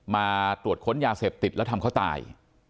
มาตรวจค้นยาเสพติดแล้วทำเขาตาย